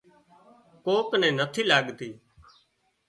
ڪوڪ نين نٿِي لاڳتي